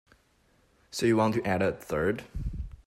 So you want to add a third?